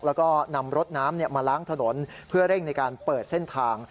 แล้วก็นำรถน้ำมาล้างถนนเพื่อเร่งในการเปิดเส้นทาง